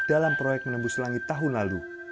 dalam proyek menembus langit tahun lalu